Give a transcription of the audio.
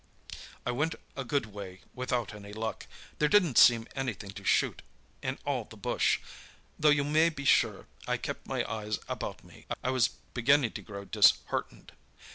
"I went a good way without any luck. There didn't seem anything to shoot in all the bush, though you may be sure I kept my eyes about me. I was beginning to grow disheartened.